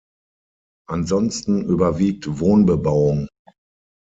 Ansonsten überwiegt Wohnbebauung.